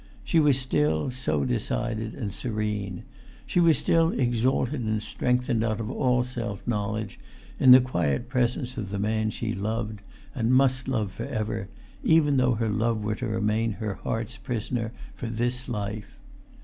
She was still so decided and serene. She was still exalted and strengthened out of all self knowledge in the quiet presence of the man she loved, and must love for ever, even though her love were to remain her heart's prisoner for this life.